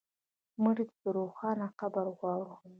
مړه ته روښانه قبر غواړو